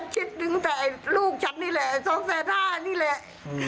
คิดถึงแต่ลูกฉันนี่แหละ๒๕๐๐นี่แหละ